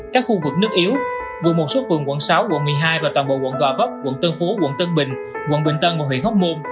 các khu vực nước yếu gồm một số phường quận sáu quận một mươi hai và toàn bộ quận gò vấp quận tân phú quận tân bình quận bình tân và huyện hóc môn